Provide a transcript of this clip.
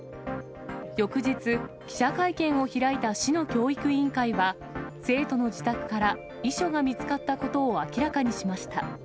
翌日、記者会見を開いた市の教育委員会は、生徒の自宅から遺書が見つかったことを明らかにしました。